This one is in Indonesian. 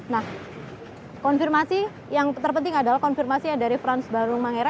nah konfirmasi yang terpenting adalah konfirmasi dari frans barung mangera